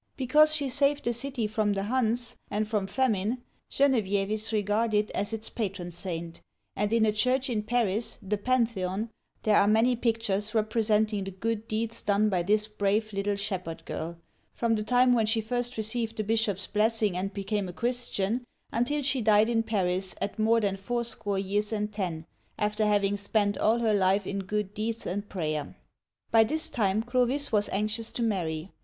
Because she saved the city from the Huns and from famine, Genevieve is regarded as its patron saint, and in a church in Paris (the Pantheon) there are many pictures representing the good deeds done by this brave little shep herd girl, from the time when she first received the bishop's blessing and became a Christian, until she died in Paris, at more than fourscore years and ten, after having spent all her life in good deeds and prayer. By this time Clovis was anxious to marry.